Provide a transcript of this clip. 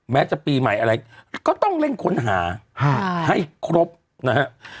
แม้จะปีใหม่อะไรก็ต้องเร่งค้นหาให้ครบนะฮะ